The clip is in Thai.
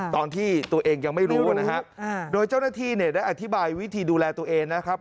ตอนที่ตัวเองยังไม่รู้นะฮะโดยเจ้าหน้าที่เนี่ยได้อธิบายวิธีดูแลตัวเองนะครับ